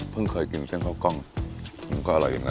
เคยกินเส้นข้าวกล้องมันก็อร่อยอีกนะ